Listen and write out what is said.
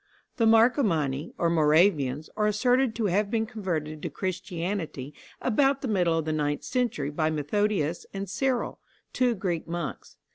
The Marcomanni, or Moravians, are asserted to have been converted to Christianity about the middle of the ninth century by Methodius and Cyril, two Greek monks.